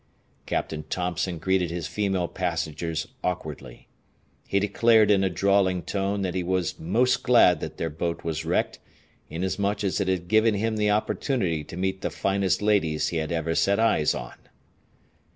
Captain Thompson greeted his female passengers awkwardly. He declared in a drawling tone that he was 'most glad that their boat was wrecked, inasmuch as it had given him the opportunity to meet the finest ladies he had ever set eyes on.